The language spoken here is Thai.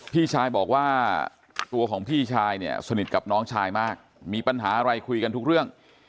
พี่ชายบอกว่าตัวของพี่ชายเนี่ยสนิทกับน้องชายมากมีปัญหาอะไรคุยกันทุกเรื่อง